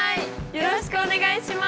よろしくお願いします！